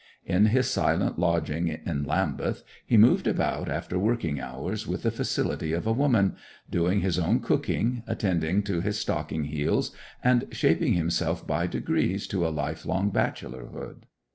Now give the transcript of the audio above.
In his quiet lodging in Lambeth he moved about after working hours with the facility of a woman, doing his own cooking, attending to his stocking heels, and shaping himself by degrees to a life long bachelorhood.